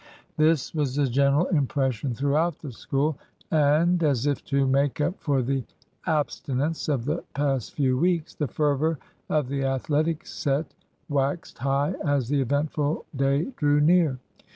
This was the general impression throughout the School; and, as if to make up for the abstinence of the past few weeks, the fervour of the athletic set waxed high as the eventful day drew near.